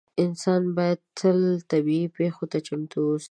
انسانان باید تل طبیعي پېښو ته چمتو اووسي.